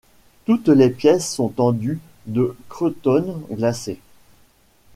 Toutes les pièces sont tendues de cretonne glacée.